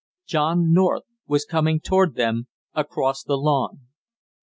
John North was coming toward them across the lawn.